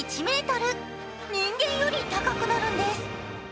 人間より高くなるんです。